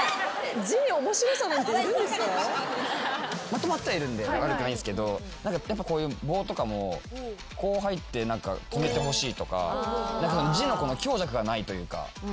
まとまってはいるんで悪くないんですけどこういう棒とかもこう入って止めてほしいとか字の強弱がないというか。